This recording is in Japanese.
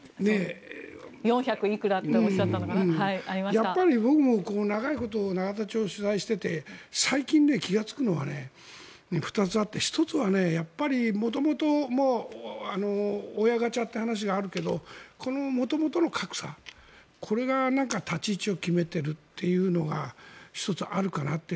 やっぱり僕も長いこと永田町を取材していて最近、気がつくのは２つあって１つは元々親ガチャって話があるけどこの元々の格差これが立ち位置を決めているというのが１つあるかなって。